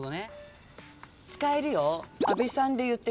使えるよ。